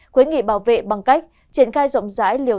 khuyến nghị bảo vệ bằng cách triển khai rộng rãi liều